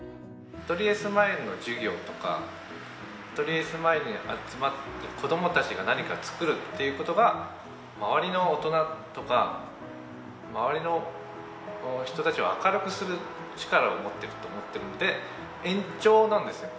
アトリエスマイルの授業とかアトリエスマイルに集まった子どもたちが何か作るっていうことが周りの大人とか周りの人たちを明るくする力を持っていると思っているので延長なんですよ